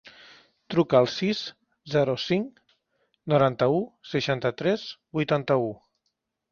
Truca al sis, zero, cinc, noranta-u, seixanta-tres, vuitanta-u.